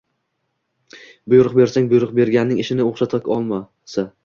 Buyruq bersang, buyruq berganing ishni o‘xshata olmasa